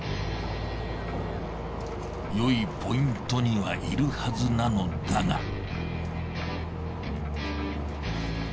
よいポイントにはいるはずなのだが。